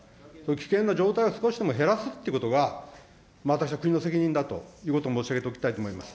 危険な状態を少しでも減らすということが、私は国の責任だということを申し上げておきたいと思います。